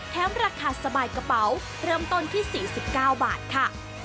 ราคาสบายกระเป๋าเริ่มต้นที่๔๙บาทค่ะ